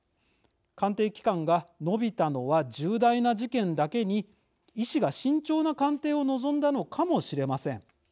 鑑定期間が延びたのは重大な事件だけに医師が慎重な鑑定を望んだのかもしれません。